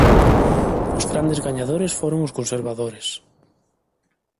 Os grandes gañadores foron os conservadores.